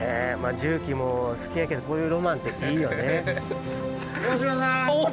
重機も好きやけどこういうロマンっていいよね。